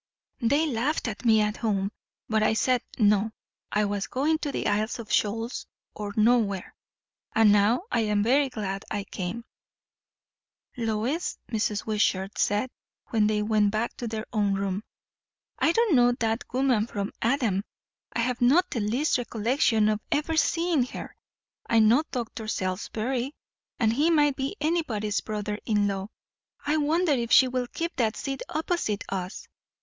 They laughed at me at home, but I said no, I was going to the Isles of Shoals or nowhere. And now I am very glad I came." "Lois," Mrs. Wishart said when they went back to their own room, "I don't know that woman from Adam. I have not the least recollection of ever seeing her. I know Dr. Salisbury and he might be anybody's brother in law. I wonder if she will keep that seat opposite us?